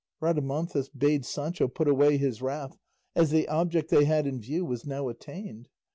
Rhadamanthus bade Sancho put away his wrath, as the object they had in view was now attained.